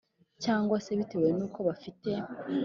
cyangwa se bitewe nu ko bafite